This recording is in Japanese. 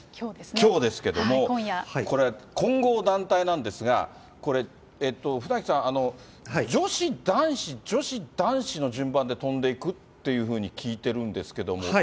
きょうですけれども、これ、混合団体なんですが、これ、船木さん、女子、男子、女子、男子の順番で飛んでいくっていうふうに聞いてるんですけれども。